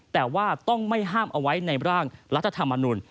แต่ว่าต้องไม่ห้ามเอาไว้ในร่างรัฐธรรมนุน